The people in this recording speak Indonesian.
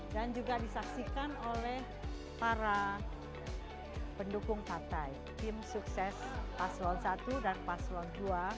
dan juga disaksikan oleh para pendukung partai tim sukses paslon i dan paslon ii